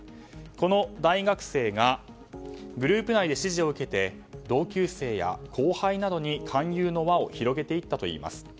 この大学生がグループ内で指示を受けて同級生や後輩などに勧誘の輪を広げていったといいます。